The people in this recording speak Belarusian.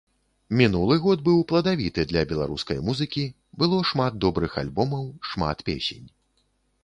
Мінулы год быў пладавіты для беларускай музыкі, было шмат добрых альбомаў, шмат песень.